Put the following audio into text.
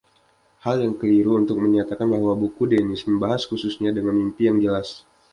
Hal yang keliru untuk menyatakan bahwa buku Denys membahas khususnya dengan mimpi yang jelas.